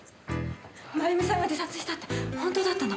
まゆみさんが自殺したってほんとだったの！？